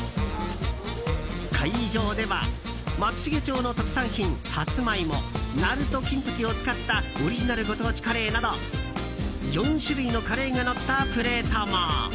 会場では松茂町の特産品サツマイモなると金時を使ったオリジナルご当地カレーなど４種類のカレーがのったプレートも。